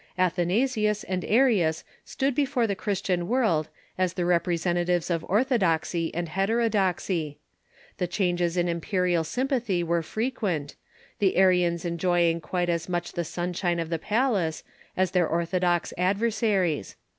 Atbanasius and Arius stood before the Christian world as the representatives of orthodoxy and heterodoxy, of AHarfism^ The changes in imperial sj^mpathy were frequent, the Arians enjoying quite as much the sunshine of the palace as their orthodox adversaries.